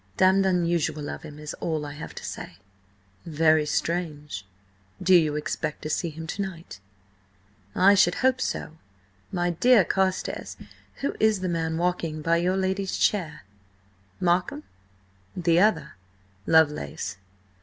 Damned unusual of him is all I have to say." "Very strange. Do you expect to see him to night?" "I should hope so! My dear Carstares, who is the man walking by your lady's chair?" "Markham?" "The other." "Lovelace."